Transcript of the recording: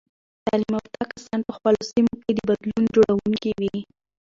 تعلیم یافته کسان په خپلو سیمو کې د بدلون جوړونکي وي.